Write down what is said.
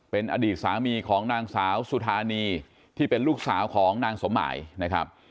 เป็นอดีตสามีของนางสาวสุธานีที่เป็นลูกสาวของนางสมหมายนะครับ